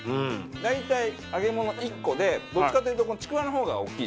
大体揚げ物１個でどっちかというとちくわの方が大きいじゃないですか。